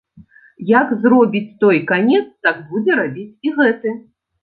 Як зробіць той канец, так будзе рабіць і гэты.